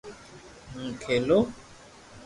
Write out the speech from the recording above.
ھون کيلو